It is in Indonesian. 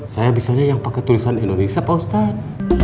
saya bisanya yang pakai tulisan indonesia pak ustadz